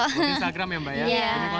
di instagram ya mbak ya